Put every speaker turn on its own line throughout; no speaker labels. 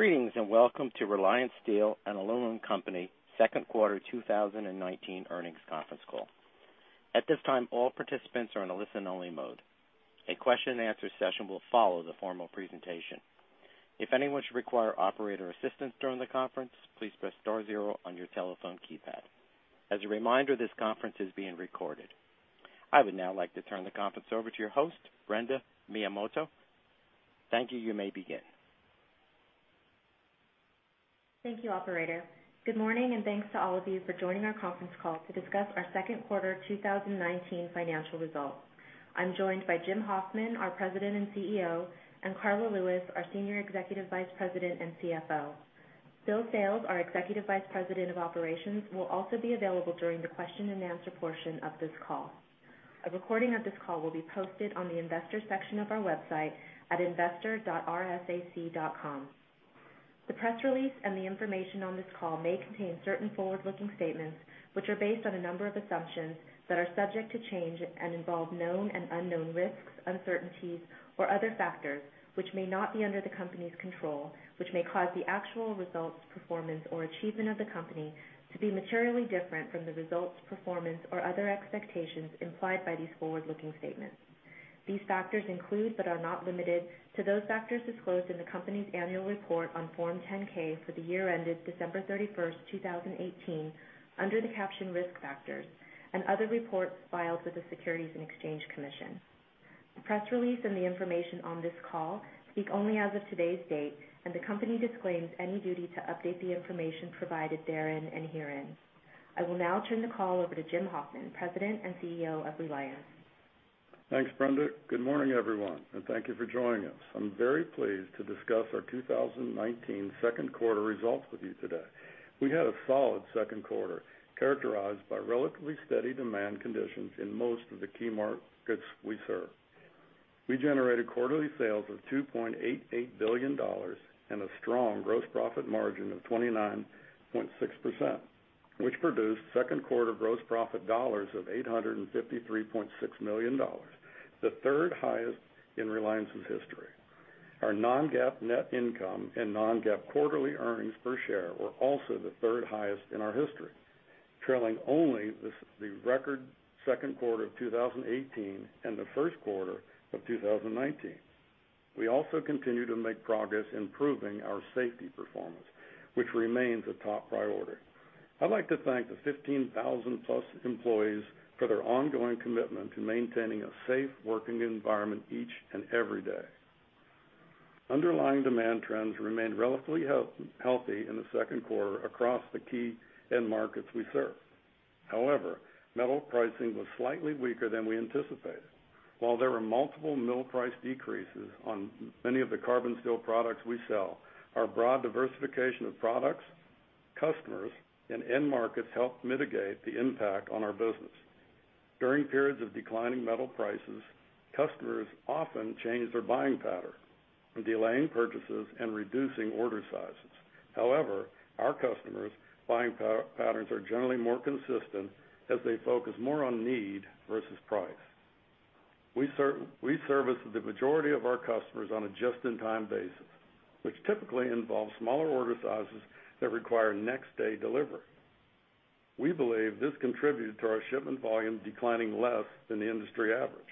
Greetings, and welcome to Reliance Steel & Aluminum Co. second quarter 2019 earnings conference call. At this time, all participants are in a listen-only mode. A question and answer session will follow the formal presentation. If anyone should require operator assistance during the conference, please press star zero on your telephone keypad. As a reminder, this conference is being recorded. I would now like to turn the conference over to your host, Brenda Miyamoto. Thank you. You may begin.
Thank you, operator. Good morning, thanks to all of you for joining our conference call to discuss our second quarter 2019 financial results. I'm joined by Jim Hoffman, our President and CEO, and Karla Lewis, our Senior Executive Vice President and CFO. Bill Sales, our Executive Vice President of Operations, will also be available during the question and answer portion of this call. A recording of this call will be posted on the investor section of our website at investor.rsac.com. The press release and the information on this call may contain certain forward-looking statements, which are based on a number of assumptions that are subject to change and involve known and unknown risks, uncertainties, or other factors which may not be under the company's control, which may cause the actual results, performance, or achievement of the company to be materially different from the results, performance, or other expectations implied by these forward-looking statements. These factors include, but are not limited to, those factors disclosed in the company's annual report on Form 10-K for the year ended December 31st, 2018 under the caption Risk Factors and other reports filed with the Securities and Exchange Commission. The press release and the information on this call speak only as of today's date, and the company disclaims any duty to update the information provided therein and herein. I will now turn the call over to Jim Hoffman, President and CEO of Reliance.
Thanks, Brenda. Good morning, everyone, thank you for joining us. I'm very pleased to discuss our 2019 second quarter results with you today. We had a solid second quarter characterized by relatively steady demand conditions in most of the key markets we serve. We generated quarterly sales of $2.88 billion and a strong gross profit margin of 29.6%, which produced second quarter gross profit dollars of $853.6 million, the third highest in Reliance's history. Our non-GAAP net income and non-GAAP quarterly earnings per share were also the third highest in our history, trailing only the record second quarter of 2018 and the first quarter of 2019. We also continue to make progress improving our safety performance, which remains a top priority. I'd like to thank the 15,000-plus employees for their ongoing commitment to maintaining a safe working environment each and every day. Underlying demand trends remained relatively healthy in the second quarter across the key end markets we serve. However, metal pricing was slightly weaker than we anticipated. While there were multiple mill price decreases on many of the carbon steel products we sell, our broad diversification of products, customers, and end markets helped mitigate the impact on our business. During periods of declining metal prices, customers often change their buying pattern from delaying purchases and reducing order sizes. However, our customers' buying patterns are generally more consistent as they focus more on need versus price. We service the majority of our customers on a just-in-time basis, which typically involves smaller order sizes that require next-day delivery. We believe this contributed to our shipment volume declining less than the industry average.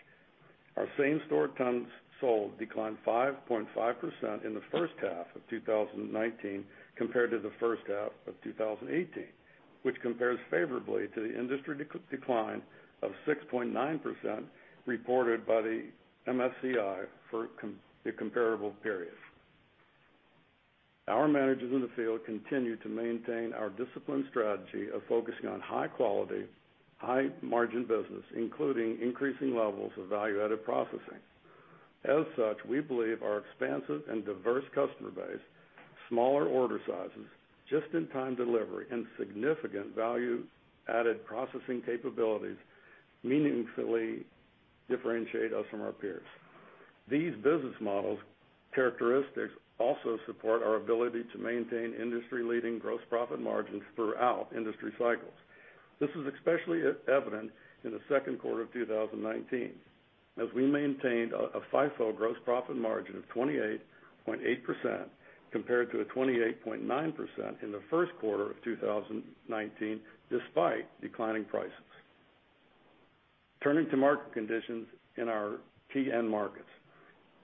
Our same-store tons sold declined 5.5% in the first half of 2019 compared to the first half of 2018, which compares favorably to the industry decline of 6.9% reported by the MSCI for the comparable period. Our managers in the field continue to maintain our disciplined strategy of focusing on high-quality, high-margin business, including increasing levels of value-added processing. As such, we believe our expansive and diverse customer base, smaller order sizes, just-in-time delivery, and significant value-added processing capabilities meaningfully differentiate us from our peers. These business models characteristics also support our ability to maintain industry-leading gross profit margins throughout industry cycles. This is especially evident in the second quarter of 2019, as we maintained a FIFO gross profit margin of 28.8% compared to a 28.9% in the first quarter of 2019, despite declining prices. Turning to market conditions in our key end markets.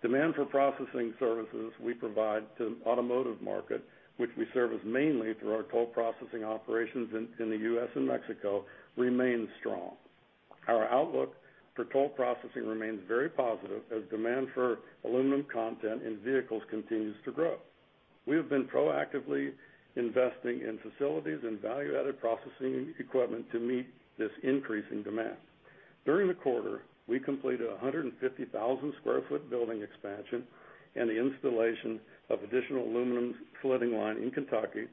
Demand for processing services we provide to automotive market, which we service mainly through our toll processing operations in the U.S. and Mexico, remains strong. Our outlook for toll processing remains very positive as demand for aluminum content in vehicles continues to grow. We have been proactively investing in facilities and value-added processing equipment to meet this increasing demand. During the quarter, we completed a 150,000 square foot building expansion and the installation of additional aluminum slitting line in Kentucky,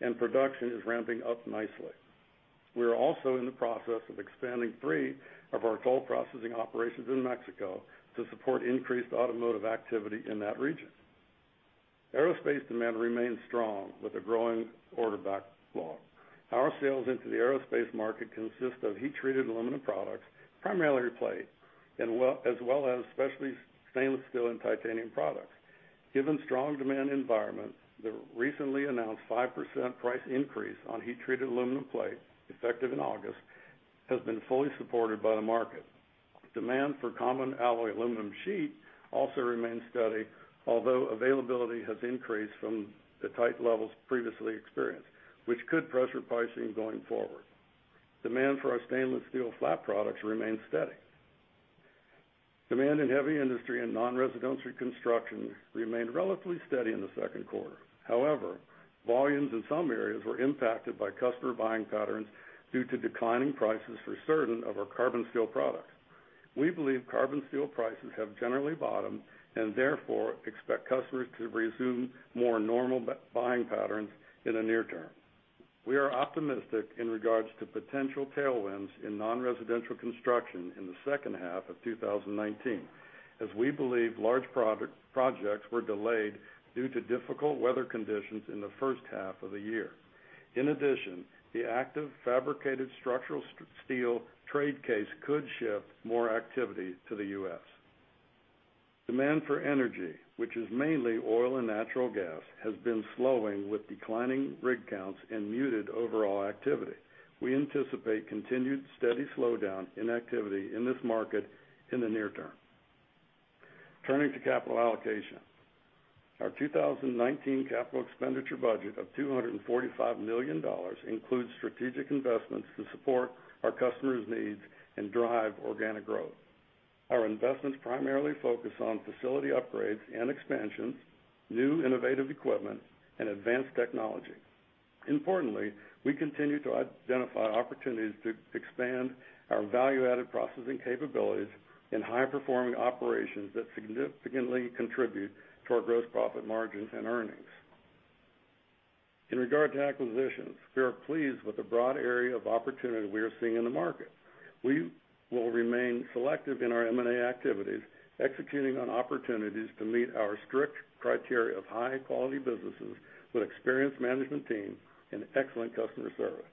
and production is ramping up nicely. We are also in the process of expanding three of our toll processing operations in Mexico to support increased automotive activity in that region. Aerospace demand remains strong with a growing order backlog. Our sales into the aerospace market consist of heat-treated aluminum products, primarily plate, as well as specialty stainless steel and titanium products. Given strong demand environment, the recently announced 5% price increase on heat-treated aluminum plate, effective in August, has been fully supported by the market. Demand for common alloy aluminum sheet also remains steady, although availability has increased from the tight levels previously experienced, which could pressure pricing going forward. Demand for our stainless steel flat products remains steady. Demand in heavy industry and non-residential construction remained relatively steady in the second quarter. Volumes in some areas were impacted by customer buying patterns due to declining prices for certain of our carbon steel products. We believe carbon steel prices have generally bottomed, and therefore, expect customers to resume more normal buying patterns in the near term. We are optimistic in regards to potential tailwinds in non-residential construction in the second half of 2019, as we believe large projects were delayed due to difficult weather conditions in the first half of the year. The active fabricated structural steel trade case could shift more activity to the U.S. Demand for energy, which is mainly oil and natural gas, has been slowing with declining rig counts and muted overall activity. We anticipate continued steady slowdown in activity in this market in the near term. Turning to capital allocation. Our 2019 capital expenditure budget of $245 million includes strategic investments to support our customers' needs and drive organic growth. Our investments primarily focus on facility upgrades and expansions, new innovative equipment, and advanced technology. Importantly, we continue to identify opportunities to expand our value-added processing capabilities in high-performing operations that significantly contribute to our gross profit margins and earnings. In regard to acquisitions, we are pleased with the broad area of opportunity we are seeing in the market. We will remain selective in our M&A activities, executing on opportunities to meet our strict criteria of high-quality businesses with experienced management team and excellent customer service,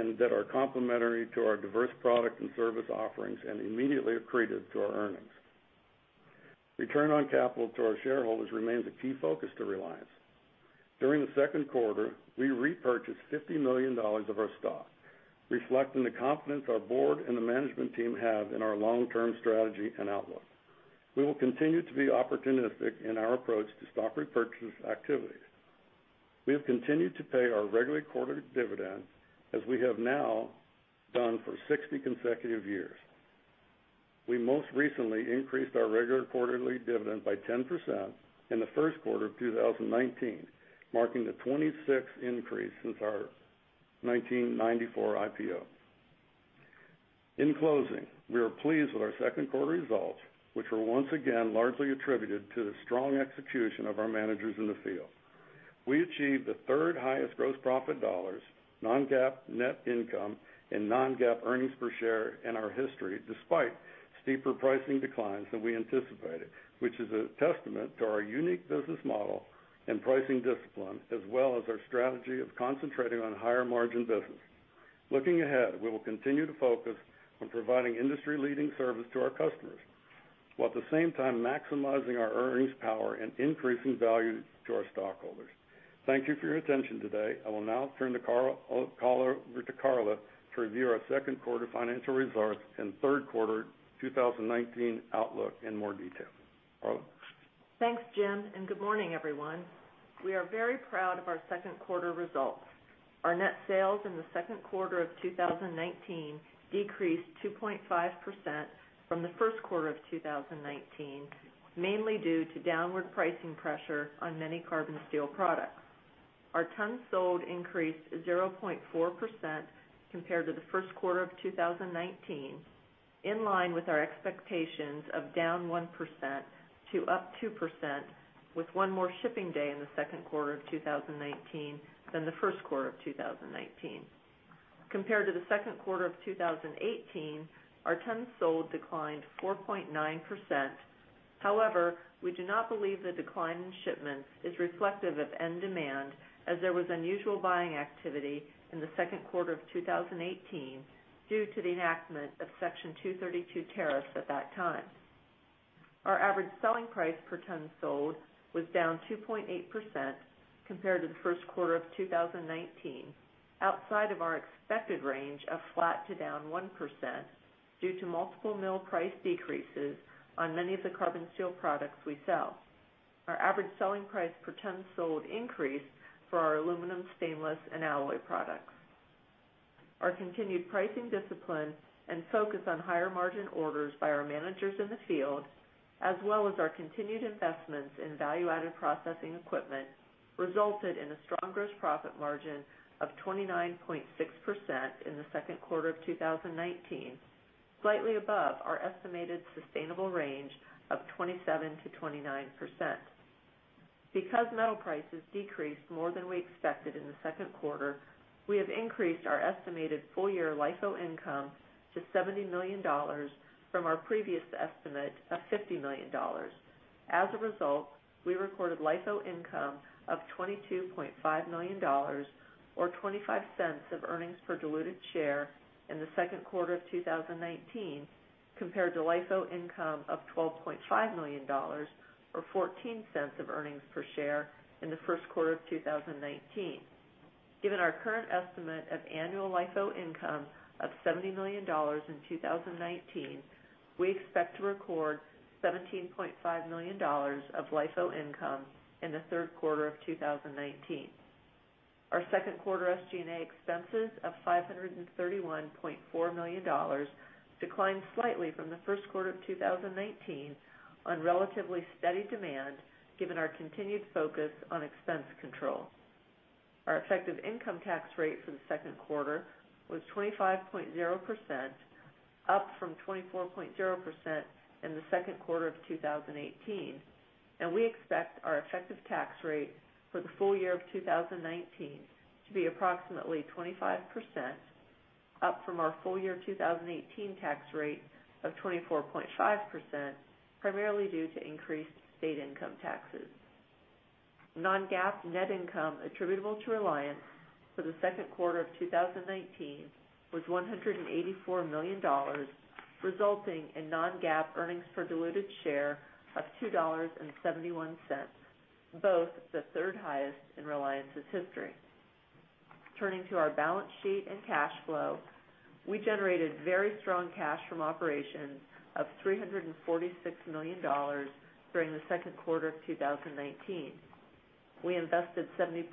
and that are complementary to our diverse product and service offerings and immediately accretive to our earnings. Return on capital to our shareholders remains a key focus to Reliance. During the second quarter, we repurchased $50 million of our stock, reflecting the confidence our board and the management team have in our long-term strategy and outlook. We will continue to be opportunistic in our approach to stock repurchase activities. We have continued to pay our regular quarterly dividends, as we have now done for 60 consecutive years. We most recently increased our regular quarterly dividend by 10% in the first quarter of 2019, marking the 26th increase since our 1994 IPO. In closing, we are pleased with our second quarter results, which were once again largely attributed to the strong execution of our managers in the field. We achieved the third-highest gross profit dollars, non-GAAP net income, and non-GAAP earnings per share in our history, despite steeper pricing declines than we anticipated, which is a testament to our unique business model and pricing discipline, as well as our strategy of concentrating on higher-margin business. Looking ahead, we will continue to focus on providing industry-leading service to our customers, while at the same time maximizing our earnings power and increasing value to our stockholders. Thank you for your attention today. I will now turn over to Karla to review our second quarter financial results and third quarter 2019 outlook in more detail. Karla?
Thanks, Jim, and good morning, everyone. We are very proud of our second quarter results. Our net sales in the second quarter of 2019 decreased 2.5% from the first quarter of 2019, mainly due to downward pricing pressure on many carbon steel products. Our tons sold increased 0.4% compared to the first quarter of 2019, in line with our expectations of down 1% to up 2%, with one more shipping day in the second quarter of 2019 than the first quarter of 2019. Compared to the second quarter of 2018, our tons sold declined 4.9%. However, we do not believe the decline in shipments is reflective of end demand, as there was unusual buying activity in the second quarter of 2018 due to the enactment of Section 232 tariffs at that time. Our average selling price per ton sold was down 2.8% compared to the first quarter of 2019, outside of our expected range of flat to down 1%, due to multiple mill price decreases on many of the carbon steel products we sell. Our average selling price per ton sold increased for our aluminum, stainless, and alloy products. Our continued pricing discipline and focus on higher-margin orders by our managers in the field, as well as our continued investments in value-added processing equipment, resulted in a strong gross profit margin of 29.6% in the second quarter of 2019, slightly above our estimated sustainable range of 27%-29%. Because metal prices decreased more than we expected in the second quarter, we have increased our estimated full-year LIFO income to $70 million from our previous estimate of $50 million. We recorded LIFO income of $22.5 million or $0.25 of earnings per diluted share in the second quarter of 2019, compared to LIFO income of $12.5 million or $0.14 of earnings per share in the first quarter of 2019. Given our current estimate of annual LIFO income of $70 million in 2019, we expect to record $17.5 million of LIFO income in the third quarter of 2019. Our second quarter SG&A expenses of $531.4 million declined slightly from the first quarter of 2019 on relatively steady demand given our continued focus on expense control. Our effective income tax rate for the second quarter was 25.0%, up from 24.0% in the second quarter of 2018. We expect our effective tax rate for the full year of 2019 to be approximately 25%, up from our full year 2018 tax rate of 24.5%, primarily due to increased state income taxes. Non-GAAP net income attributable to Reliance for the second quarter of 2019 was $184 million, resulting in non-GAAP earnings per diluted share of $2.71, both the third highest in Reliance's history. Turning to our balance sheet and cash flow, we generated very strong cash from operations of $346 million during the second quarter of 2019. We invested $70.9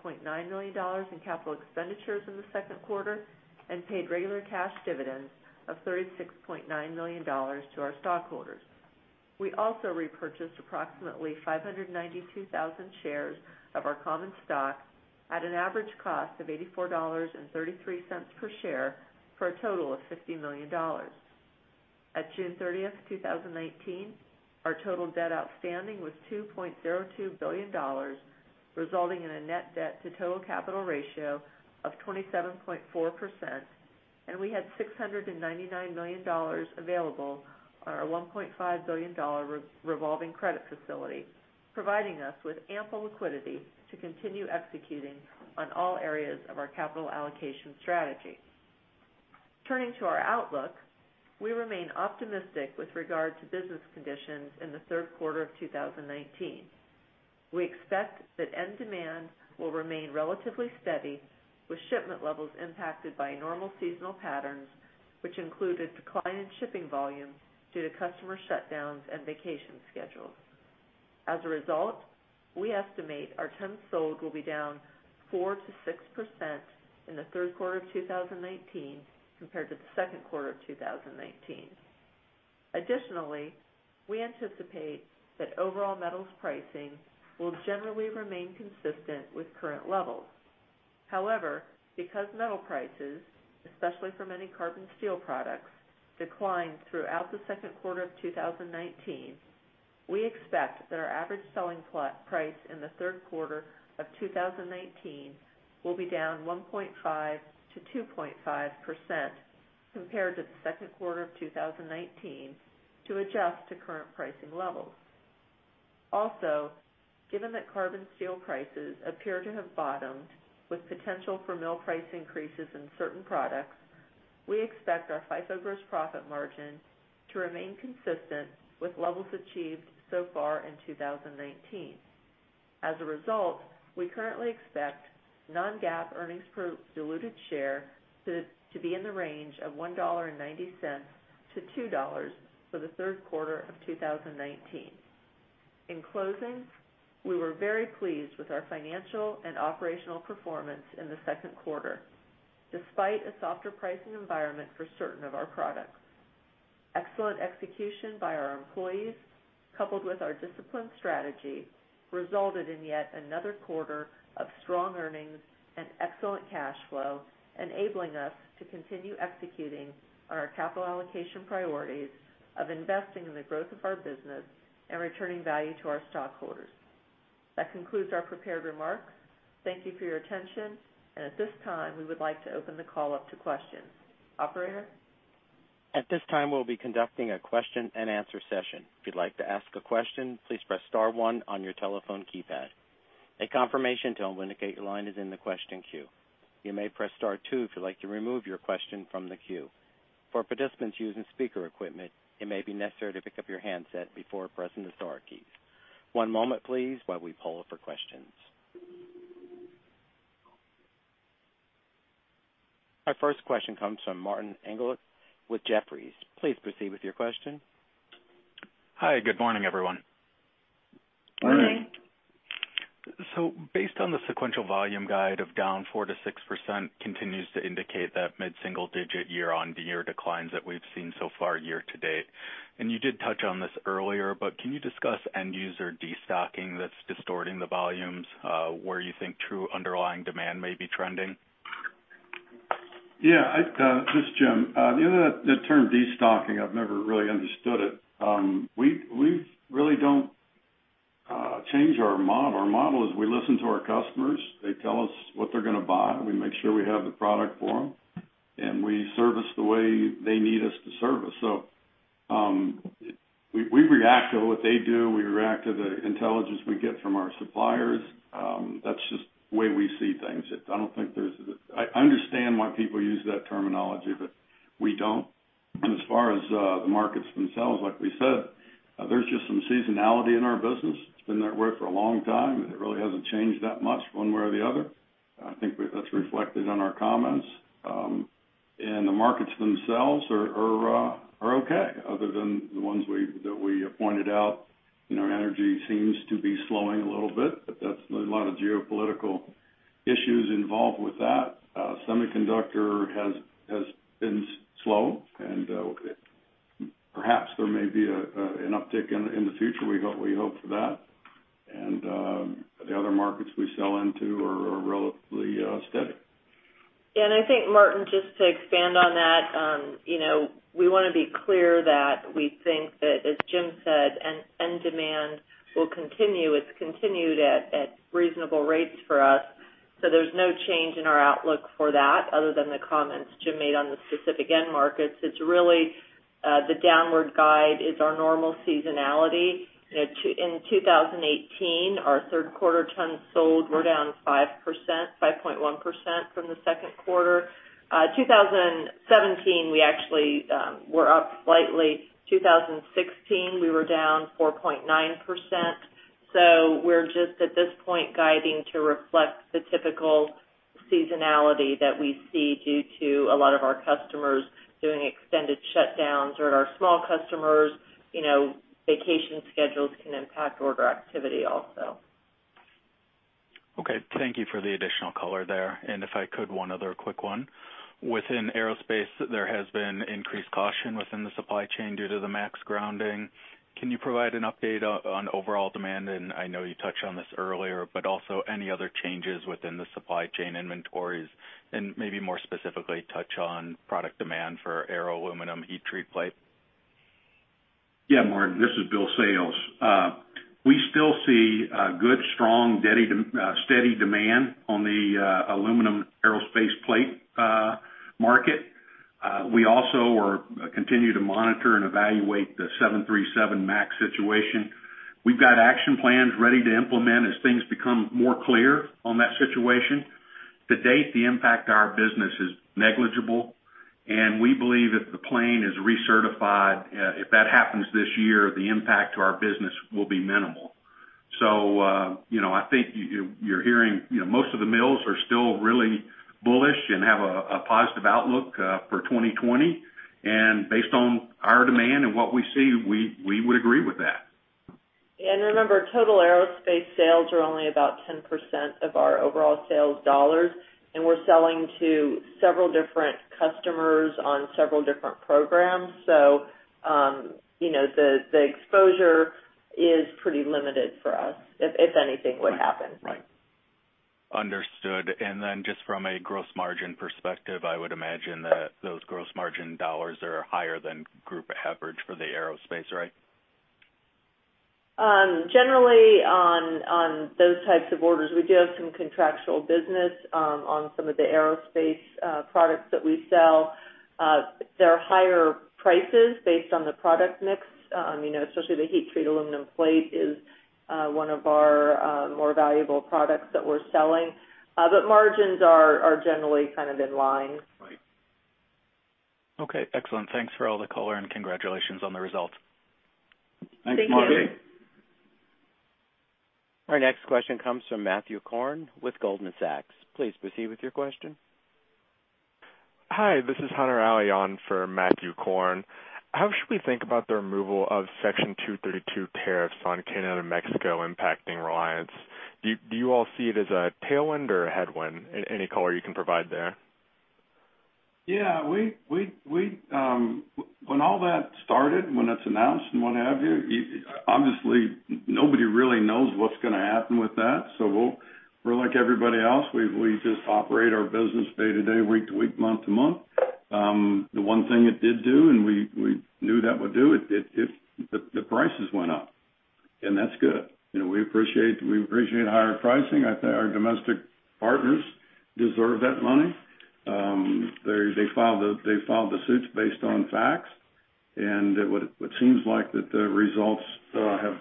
million in capital expenditures in the second quarter and paid regular cash dividends of $36.9 million to our stockholders. We also repurchased approximately 592,000 shares of our common stock at an average cost of $84.33 per share for a total of $50 million. At June 30th, 2019, our total debt outstanding was $2.02 billion, resulting in a net debt to total capital ratio of 27.4%, and we had $699 million available on our $1.5 billion revolving credit facility, providing us with ample liquidity to continue executing on all areas of our capital allocation strategy. Turning to our outlook, we remain optimistic with regard to business conditions in the third quarter of 2019. We expect that end demand will remain relatively steady, with shipment levels impacted by normal seasonal patterns, which include a decline in shipping volumes due to customer shutdowns and vacation schedules. As a result, we estimate our tons sold will be down 4%-6% in the third quarter of 2019 compared to the second quarter of 2019. Additionally, we anticipate that overall metals pricing will generally remain consistent with current levels. However, because metal prices, especially for many carbon steel products, declined throughout the second quarter of 2019, we expect that our average selling price in the third quarter of 2019 will be down 1.5%-2.5% compared to the second quarter of 2019 to adjust to current pricing levels. Also, given that carbon steel prices appear to have bottomed with potential for mill price increases in certain products, we expect our FIFO gross profit margin to remain consistent with levels achieved so far in 2019. As a result, we currently expect non-GAAP earnings per diluted share to be in the range of $1.90-$2 for the third quarter of 2019. In closing, we were very pleased with our financial and operational performance in the second quarter, despite a softer pricing environment for certain of our products. Excellent execution by our employees, coupled with our disciplined strategy, resulted in yet another quarter of strong earnings and excellent cash flow, enabling us to continue executing on our capital allocation priorities of investing in the growth of our business and returning value to our stockholders. That concludes our prepared remarks. Thank you for your attention. At this time, we would like to open the call up to questions. Operator?
At this time, we'll be conducting a question and answer session. If you'd like to ask a question, please press star one on your telephone keypad. A confirmation tone will indicate your line is in the question queue. You may press star two if you'd like to remove your question from the queue. For participants using speaker equipment, it may be necessary to pick up your handset before pressing the star keys. One moment, please, while we poll for questions. Our first question comes from Martin Englert with Jefferies. Please proceed with your question.
Hi, good morning, everyone.
Good morning.
Morning.
Based on the sequential volume guide of down 4%-6% continues to indicate that mid-single digit year-over-year declines that we've seen so far year to date. You did touch on this earlier, but can you discuss end user destocking that's distorting the volumes, where you think true underlying demand may be trending?
Yeah. This is Jim. The term destocking, I've never really understood it. We really don't change our model. Our model is we listen to our customers. They tell us what they're going to buy. We make sure we have the product for them. We service the way they need us to service. We react to what they do. We react to the intelligence we get from our suppliers. That's just the way we see things. I understand why people use that terminology, but we don't. As far as the markets themselves, like we said, there's just some seasonality in our business. It's been that way for a long time. It really hasn't changed that much one way or the other. I think that's reflected in our comments. The markets themselves are okay, other than the ones that we pointed out. Energy seems to be slowing a little bit, but that's a lot of geopolitical issues involved with that. Semiconductor has been slow, and perhaps there may be an uptick in the future. We hope for that. The other markets we sell into are relatively steady.
I think, Martin, just to expand on that. We want to be clear that we think that, as Jim said, end demand will continue. It's continued at reasonable rates for us. There's no change in our outlook for that other than the comments Jim made on the specific end markets. It's really the downward guide is our normal seasonality. In 2018, our third quarter tons sold were down 5.1% from the second quarter. 2017, we actually were up slightly. 2016, we were down 4.9%. We're just at this point guiding to reflect the typical seasonality that we see due to a lot of our customers doing extended shutdowns or our small customers, vacation schedules can impact order activity also.
Okay. Thank you for the additional color there. If I could, one other quick one. Within aerospace, there has been increased caution within the supply chain due to the MAX grounding. Can you provide an update on overall demand? I know you touched on this earlier, but also any other changes within the supply chain inventories, and maybe more specifically touch on product demand for aero aluminum heat treat plate?
Yeah, Martin, this is Bill Sales. We still see good, strong, steady demand on the aluminum aerospace plate market. We also continue to monitor and evaluate the 737 MAX situation. We've got action plans ready to implement as things become more clear on that situation. To date, the impact to our business is negligible, and we believe if the plane is recertified, if that happens this year, the impact to our business will be minimal. I think you're hearing most of the mills are still really bullish and have a positive outlook for 2020. Based on our demand and what we see, we would agree with that.
Remember, total aerospace sales are only about 10% of our overall sales dollars, and we're selling to several different customers on several different programs. The exposure is pretty limited for us, if anything would happen.
Right. Understood. Just from a gross margin perspective, I would imagine that those gross margin dollars are higher than group average for the aerospace, right?
Generally, on those types of orders, we do have some contractual business on some of the aerospace products that we sell. They're higher prices based on the product mix. Especially the heat treat aluminum plate is one of our more valuable products that we're selling. Margins are generally kind of in line.
Right. Okay, excellent. Thanks for all the color. Congratulations on the results.
Thanks, Martin.
Thank you.
Our next question comes from Matthew Korn with Goldman Sachs. Please proceed with your question.
Hi, this is Hunter Alley on for Matthew Korn. How should we think about the removal of Section 232 tariffs on Canada and Mexico impacting Reliance? Do you all see it as a tailwind or a headwind? Any color you can provide there?
Yeah. When all that started, when it is announced and what have you, obviously, nobody really knows what is going to happen with that. We're like everybody else. We just operate our business day to day, week to week, month to month. The one thing it did do, and we knew that would do, the prices went up, and that is good. We appreciate higher pricing. I think our domestic partners deserve that money. They filed the suits based on facts, and it seems like that the results have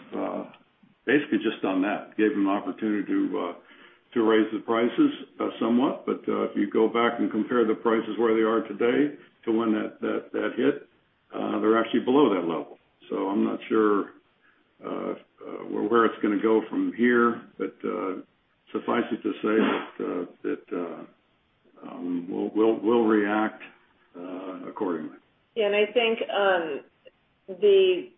basically just done that, gave them the opportunity to raise the prices somewhat. If you go back and compare the prices where they are today to when that hit, they are actually below that level. I am not sure where it is going to go from here. Suffice it to say that we will react accordingly.
Yeah, I think the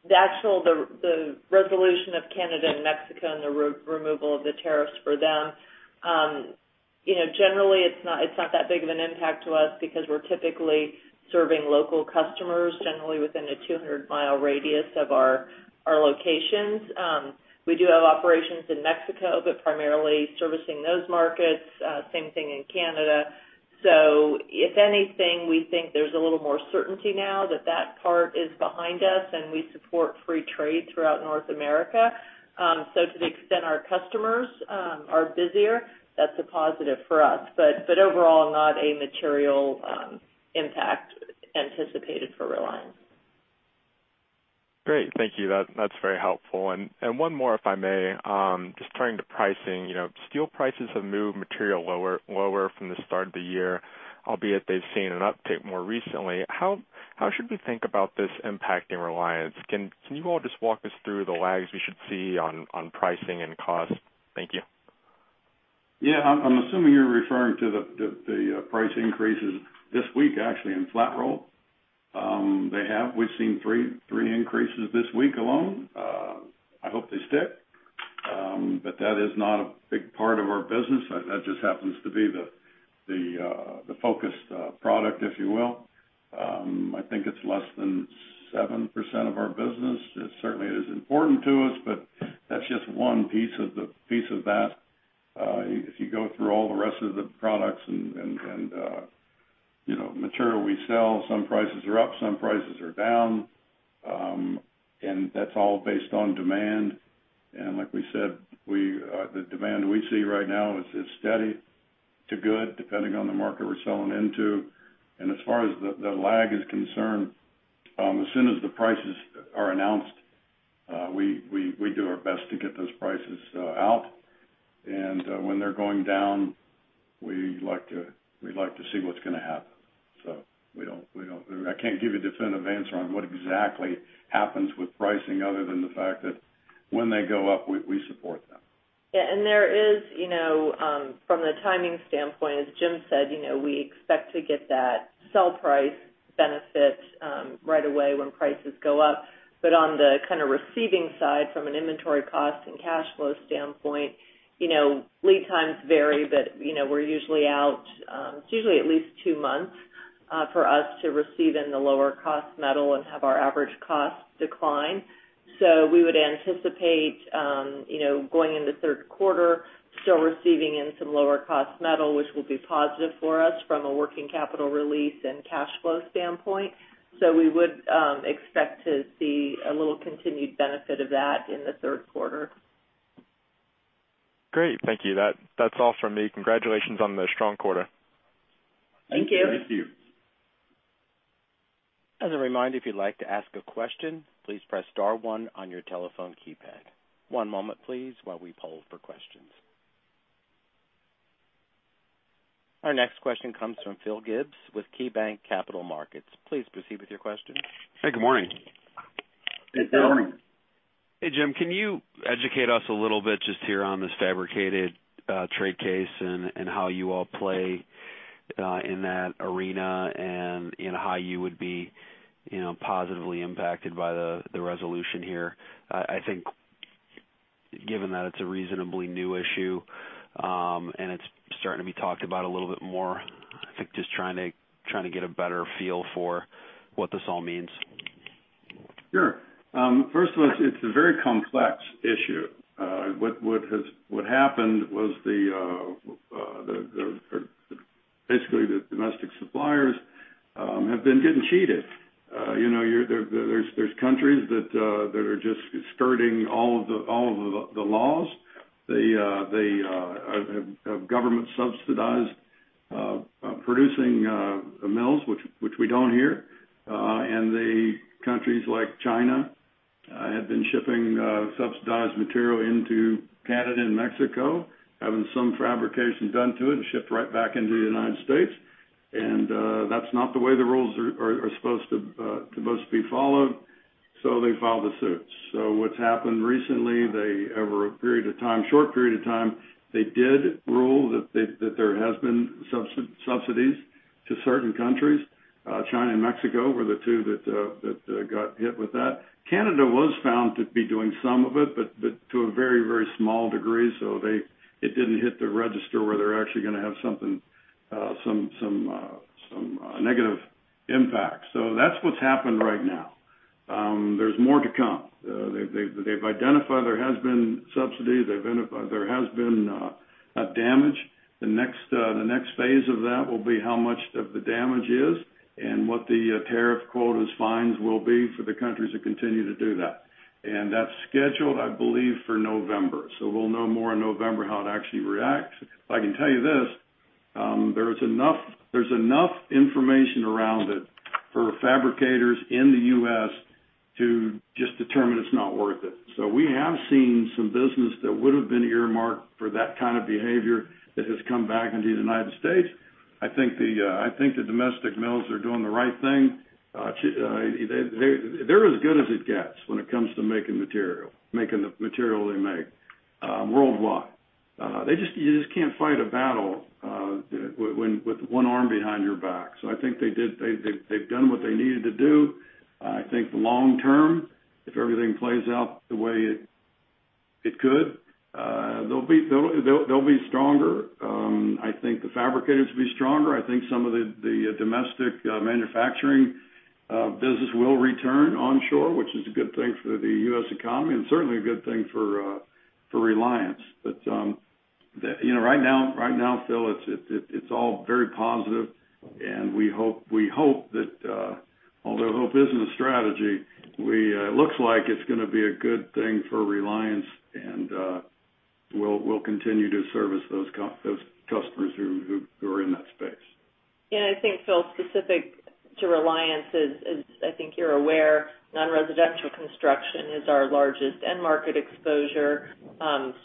resolution of Canada and Mexico and the removal of the tariffs for them, generally it's not that big of an impact to us because we're typically serving local customers, generally within a 200-mile radius of our locations. We do have operations in Mexico, but primarily servicing those markets. Same thing in Canada. If anything, we think there's a little more certainty now that that part is behind us, and we support free trade throughout North America. To the extent our customers are busier, that's a positive for us. Overall, not a material impact anticipated for Reliance.
Great. Thank you. That's very helpful. One more, if I may. Just turning to pricing. Steel prices have moved material lower from the start of the year, albeit they've seen an uptick more recently. How should we think about this impacting Reliance? Can you all just walk us through the lags we should see on pricing and cost? Thank you.
Yeah. I'm assuming you're referring to the price increases this week, actually, in flat roll. We've seen three increases this week alone. I hope they stick. That is not a big part of our business. That just happens to be the focused product, if you will. I think it's less than 7% of our business. It certainly is important to us, but that's just one piece of that. If you go through all the rest of the products and material we sell, some prices are up, some prices are down. That's all based on demand. Like we said, the demand we see right now is steady to good, depending on the market we're selling into. As far as the lag is concerned, as soon as the prices are announced, we do our best to get those prices out. When they're going down, we like to see what's going to happen. I can't give you definitive answer on what exactly happens with pricing other than the fact that when they go up, we support them.
Yeah. From the timing standpoint, as Jim said, we expect to get that sell price benefit right away when prices go up. On the receiving side, from an inventory cost and cash flow standpoint, lead times vary, but it's usually at least two months for us to receive in the lower cost metal and have our average cost decline. We would anticipate, going into third quarter, still receiving in some lower cost metal, which will be positive for us from a working capital release and cash flow standpoint. We would expect to see a little continued benefit of that in the third quarter.
Great. Thank you. That's all from me. Congratulations on the strong quarter.
Thank you.
Thank you.
As a reminder, if you'd like to ask a question, please press star one on your telephone keypad. One moment, please, while we poll for questions. Our next question comes from Phil Gibbs with KeyBanc Capital Markets. Please proceed with your question.
Hey, good morning.
Good morning.
Hey, Jim. Can you educate us a little bit just here on this fabricated trade case and how you all play in that arena and how you would be positively impacted by the resolution here? I think given that it's a reasonably new issue, and it's starting to be talked about a little bit more, I think just trying to get a better feel for what this all means.
Sure. First of all, it's a very complex issue. What happened was basically the domestic suppliers have been getting cheated. There's countries that are just skirting all of the laws. They have government-subsidized producing mills, which we don't here. The countries like China have been shipping subsidized material into Canada and Mexico, having some fabrication done to it, and shipped right back into the United States. And that's not the way the rules are supposed to be followed, so they filed a suit. What's happened recently, over a short period of time, they did rule that there has been subsidies to certain countries. China and Mexico were the two that got hit with that. Canada was found to be doing some of it, but to a very small degree, so it didn't hit the register where they're actually going to have some negative impact. That's what's happened right now. There's more to come. They've identified there has been subsidies. They've identified there has been damage. The next phase of that will be how much of the damage is and what the tariff quotas fines will be for the countries that continue to do that. That's scheduled, I believe, for November. We'll know more in November how it actually reacts. I can tell you this. There's enough information around it for fabricators in the U.S. to just determine it's not worth it. We have seen some business that would have been earmarked for that kind of behavior that has come back into the United States. I think the domestic mills are doing the right thing. They're as good as it gets when it comes to making the material they make worldwide. You just can't fight a battle with one arm behind your back. I think they've done what they needed to do. I think the long term, if everything plays out the way it could, they'll be stronger. I think the fabricators will be stronger. I think some of the domestic manufacturing business will return onshore, which is a good thing for the U.S. economy and certainly a good thing for Reliance. Right now, Phil, it's all very positive, and we hope that, although hope isn't a strategy, it looks like it's going to be a good thing for Reliance and we'll continue to service those customers who are in that space.
I think, Phil, specific to Reliance is, I think you're aware, non-residential construction is our largest end market exposure.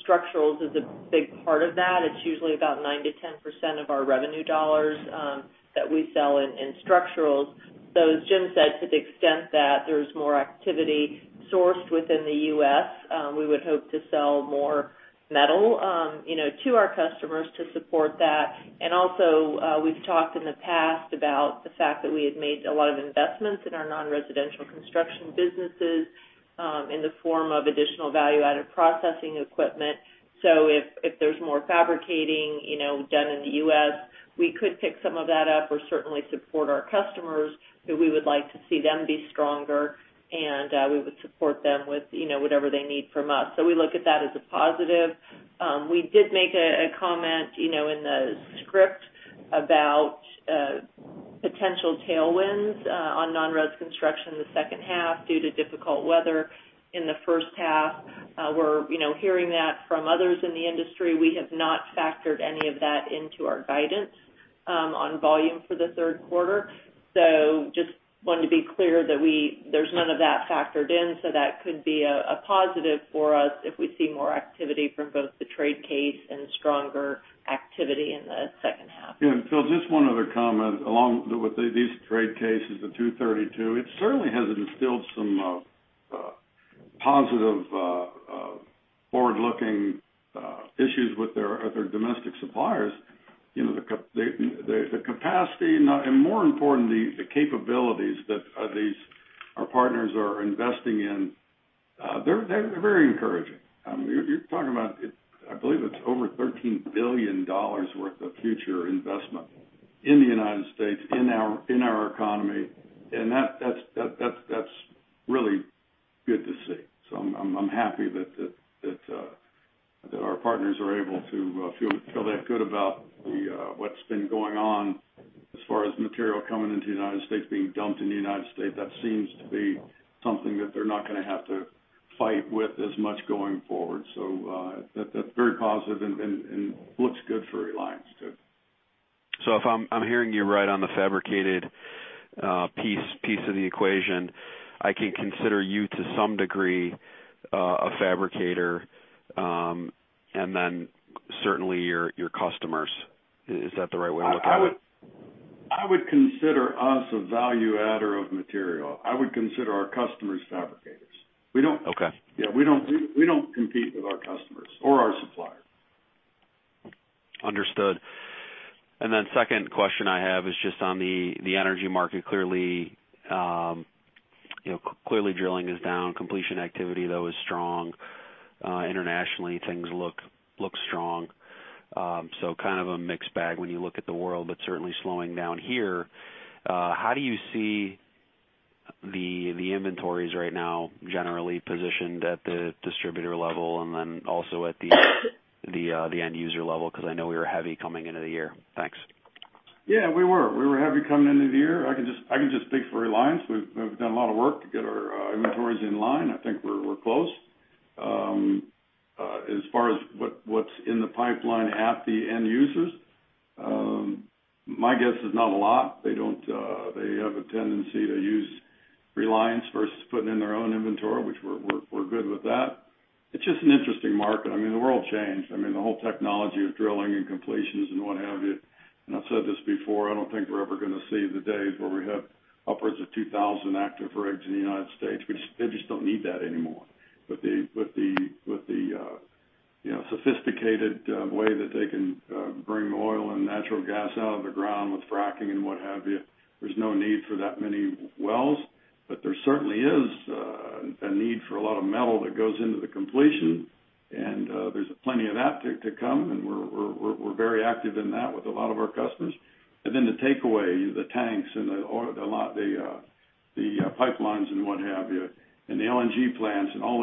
Structural is a big part of that. It is usually about 9%-10% of our revenue dollars that we sell in structural. As Jim said, to the extent that there is more activity sourced within the U.S., we would hope to sell more metal to our customers to support that. Also, we have talked in the past about the fact that we had made a lot of investments in our non-residential construction businesses, in the form of additional value-added processing equipment. If there is more fabricating done in the U.S., we could pick some of that up or certainly support our customers who we would like to see them be stronger, and we would support them with whatever they need from us. We look at that as a positive. We did make a comment in the script about potential tailwinds on non-residential construction in the second half due to difficult weather in the first half. We're hearing that from others in the industry. We have not factored any of that into our guidance on volume for the third quarter. Just wanted to be clear that there's none of that factored in. That could be a positive for us if we see more activity from both the trade case and stronger activity in the second half.
Yeah. Phil, just one other comment along with these trade cases, the 232, it certainly has instilled some positive forward-looking issues with their domestic suppliers. The capacity and more importantly, the capabilities that our partners are investing in, they're very encouraging. You're talking about, I believe it's over $13 billion worth of future investment in the United States, in our economy, and that's really good to see. I'm happy that our partners are able to feel that good about what's been going on as far as material coming into the United States, being dumped in the United States. That seems to be something that they're not going to have to fight with as much going forward. That's very positive and looks good for Reliance too.
If I'm hearing you right on the fabricated piece of the equation, I can consider you to some degree, a fabricator, and then certainly your customers. Is that the right way to look at it?
I would consider us a value adder of material. I would consider our customers fabricators.
Okay.
Yeah, we don't compete with our customers or our suppliers.
Understood. Then second question I have is just on the energy market. Clearly, drilling is down. Completion activity, though, is strong. Internationally, things look strong. Kind of a mixed bag when you look at the world, but certainly slowing down here. How do you see the inventories right now generally positioned at the distributor level and then also at the end user level? I know we were heavy coming into the year. Thanks.
Yeah, we were. We were heavy coming into the year. I can just speak for Reliance. We've done a lot of work to get our inventories in line. I think we're close. As far as what's in the pipeline at the end users, my guess is not a lot. They have a tendency to use Reliance versus putting in their own inventory, which we're good with that. It's just an interesting market. The world changed. The whole technology of drilling and completions and what have you, and I've said this before, I don't think we're ever going to see the days where we have upwards of 2,000 active rigs in the United States. They just don't need that anymore. With the sophisticated way that they can bring oil and natural gas out of the ground with fracking and what have you, there's no need for that many wells. There certainly is a need for a lot of metal that goes into the completion, and there's plenty of that to come, and we're very active in that with a lot of our customers. Then the takeaway, the tanks, and the pipelines and what have you, and the LNG plants and all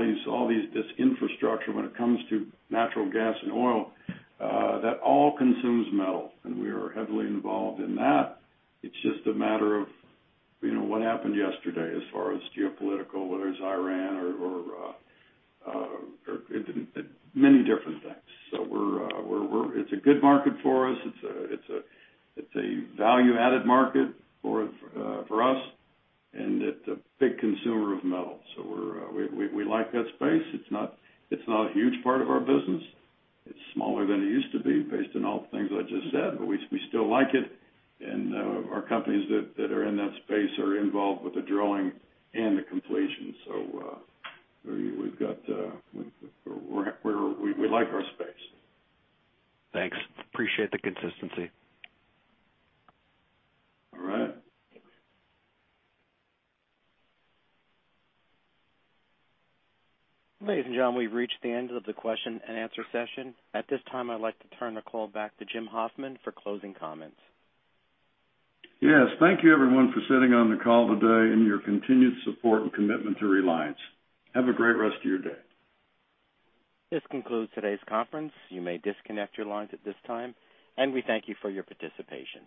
this infrastructure when it comes to natural gas and oil, that all consumes metal, and we are heavily involved in that. It's just a matter of what happened yesterday as far as geopolitical, whether it's Iran or many different things. It's a good market for us. It's a value-added market for us, and it's a big consumer of metal. We like that space. It's not a huge part of our business. It's smaller than it used to be based on all the things I just said, but we still like it, and our companies that are in that space are involved with the drilling and the completion. We like our space.
Thanks. Appreciate the consistency.
All right.
Ladies and gentlemen, we've reached the end of the question and answer session. At this time, I'd like to turn the call back to Jim Hoffman for closing comments.
Yes. Thank you, everyone, for sitting on the call today and your continued support and commitment to Reliance. Have a great rest of your day.
This concludes today's conference. You may disconnect your lines at this time, and we thank you for your participation.